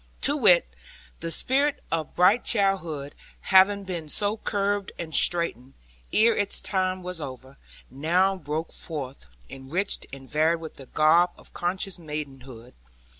To wit, the spirit of bright childhood, having been so curbed and straitened, ere its time was over, now broke forth, enriched and varied with the garb of conscious maidenhood.